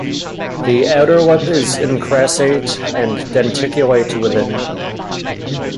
The outer lip is incrassate and denticulate within.